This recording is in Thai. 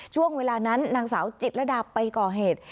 ช่วงเวลานั้นนางสาวจิตรดาไปก่อเหตุ